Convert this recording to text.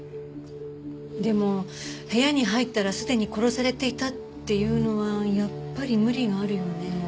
でも部屋に入ったらすでに殺されていたっていうのはやっぱり無理があるよね。